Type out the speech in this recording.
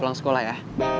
pulang sekolah ya